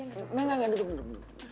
enggak enggak duduk duduk duduk